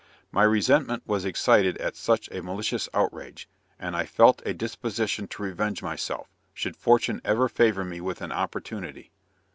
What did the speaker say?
My resentment was excited at such a malicious outrage, and I felt a disposition to revenge myself, should fortune ever favor me with an opportunity.